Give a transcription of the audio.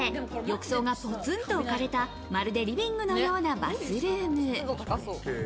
浴槽がぽつんと置かれた、まるでリビングのようなバスルーム。